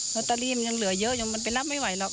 อตเตอรี่มันยังเหลือเยอะยังมันไปรับไม่ไหวหรอก